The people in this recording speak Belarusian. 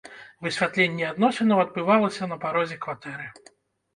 Высвятленне адносінаў адбывалася на парозе кватэры.